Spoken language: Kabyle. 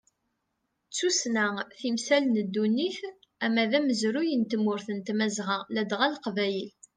D tussna, timsal n ddunit ama d amezruy n tmurt n tmazɣa ladɣa leqbayel.